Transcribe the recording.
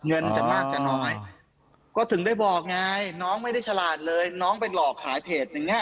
เงินจะมากจะน้อยก็ถึงได้บอกไงน้องไม่ได้ฉลาดเลยน้องไปหลอกขายเพจอย่างนี้